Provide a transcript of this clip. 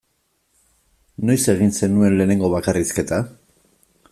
Noiz egin zenuen lehenengo bakarrizketa?